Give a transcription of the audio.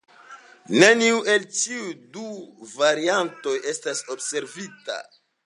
Neniu el ĉiuj du variantoj estas observita.